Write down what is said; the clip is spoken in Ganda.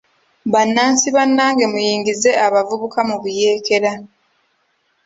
Bannansi bannange muyingize abavubuka mu buyeekera.